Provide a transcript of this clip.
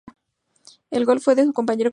El gol fue de su compañero Cristiano Ronaldo.